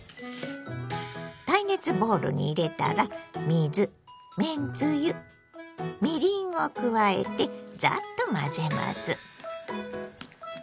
耐熱ボウルに入れたら水めんつゆみりんを加えてザッと混ぜます。